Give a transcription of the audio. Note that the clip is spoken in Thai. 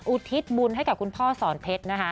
อุทิศบุญให้กับคุณพ่อสอนเพชรนะคะ